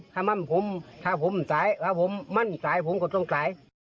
ถ้าผมไม่ตายถ้าผมมั่นตายผมก็ต้องตาย